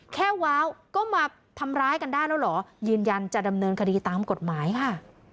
ว้าวก็มาทำร้ายกันได้แล้วเหรอยืนยันจะดำเนินคดีตามกฎหมายค่ะ